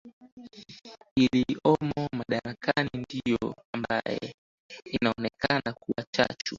iliomo madarakani ndio ambaye inaonekana kuwa chachu